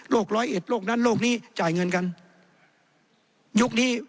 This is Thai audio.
ร้อยเอ็ดโรคนั้นโรคนี้จ่ายเงินกันยุคนี้